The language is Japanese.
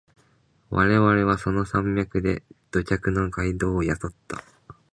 我々はその山脈で土着のガイドを雇った。